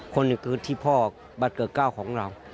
คนหนึ่งคือที่พ่อบัตรเกิกเก้าของเรา